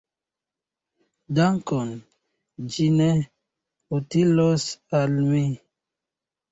Dankon; ĝi ne utilos al mi.